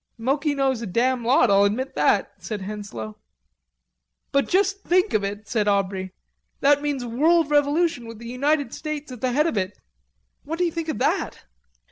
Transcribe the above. "Moki knows a damn lot, I'll admit that," said Henslowe. "But just think of it," said Aubrey, "that means world revolution with the United States at the head of it. What do you think of that?"